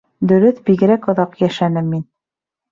Дөрөҫ, бигерәк оҙаҡ йәшәнем мин.